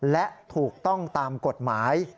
และถูกต้องตามกฎหมาย